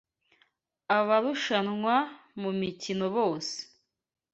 Abarushanwa mu mikino bose